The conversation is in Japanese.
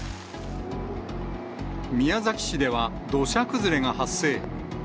宮崎市では土砂崩れが発生。